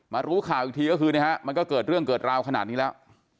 รู้ข่าวอีกทีก็คือมันก็เกิดเรื่องเกิดราวขนาดนี้แล้ว